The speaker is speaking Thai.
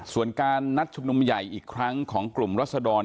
ส่วนการนัดชุมนุมใหญ่อีกครั้งของกลุ่มรัศดร